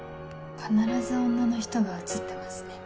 必ず女の人が写ってますね。